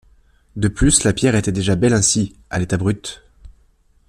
De plus, la pierre étaient déjà belle ainsi, à l'état brut.